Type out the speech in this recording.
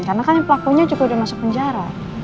karena kan pelakunya juga udah masuk penjara